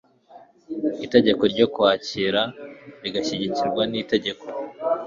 itegeko ryo ukwakira rigashyigikirwa n itegeko